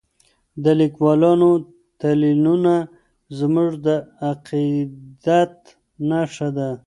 د لیکوالو تلینونه زموږ د عقیدت نښه ده.